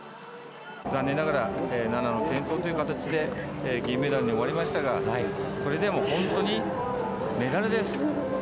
残念ながら菜那の転倒という形で銀メダルに終わりましたがそれでも本当にメダルです。